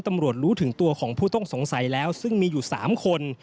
รู้ถึงตัวของผู้ต้องสงสัยแล้วซึ่งมีอยู่๓คน